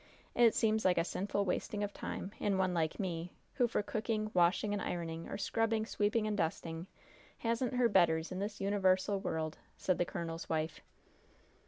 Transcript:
It seems like a sinful wasting of time, in one like me, who for cooking, washing and ironing, or scrubbing, sweeping, and dusting, hasn't her betters in this univarsal world!" said the colonel's wife.